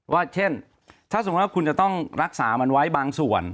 ว่าเช่นถ้าสมมุติว่าคุณจะต้องรักษามันไว้บางส่วน